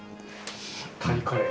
タイカレー？